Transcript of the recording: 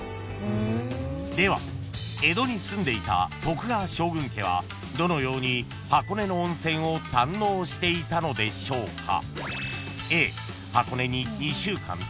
［では江戸に住んでいた徳川将軍家はどのように箱根の温泉を堪能していたのでしょうか］